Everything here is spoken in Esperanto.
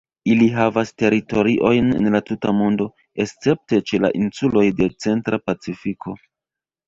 Ili havas teritoriojn en la tuta mondo, escepte ĉe la insuloj de centra Pacifiko.